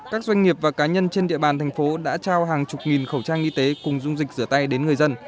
các doanh nghiệp và cá nhân trên địa bàn thành phố đã trao hàng chục nghìn khẩu trang y tế cùng dung dịch rửa tay đến người dân